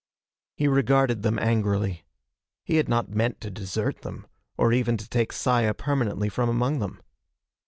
He regarded them angrily. He had not meant to desert them, or even to take Saya permanently from among them.